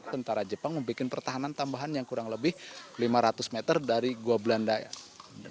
tentara jepang membuat pertahanan tambahan yang kurang lebih lima ratus meter dari gua belanda ya